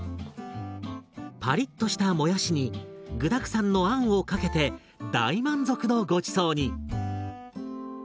パリッとしたもやしに具だくさんのあんをかけて大満足のごちそうに！